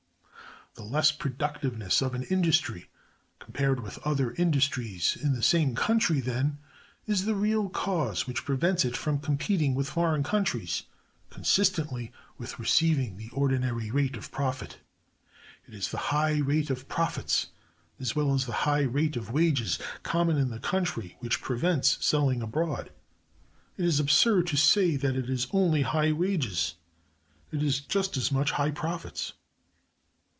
The less productiveness of an industry, compared with other industries in the same country, then, is the real cause which prevents it from competing with foreign countries consistently with receiving the ordinary rate of profit. It is the high rate of profits as well as the high rate of wages common in the country which prevents selling abroad. It is absurd to say that it is only high wages: it is just as much high profits.